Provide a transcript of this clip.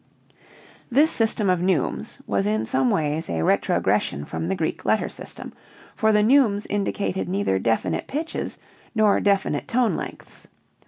This system of neumes was in some ways a retrogression from the Greek letter system, for the neumes indicated neither definite pitches nor definite tone lengths.